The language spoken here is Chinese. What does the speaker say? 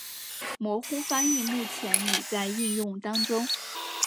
模糊翻译目前已在应用当中。